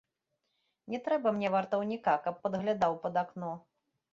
Не трэба мне вартаўніка, каб падглядаў пад акно.